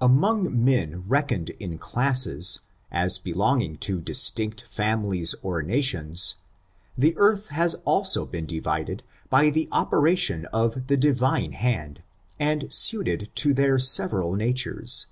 Among men reckoned in classes, as belonging to distinct families or nations, the earth has also been divided by the operation of the Divine hand, and suited to their several natures.